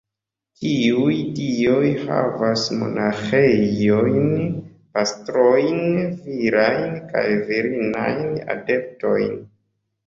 Tiuj dioj havas monaĥejojn, pastrojn, virajn kaj virinajn adeptojn.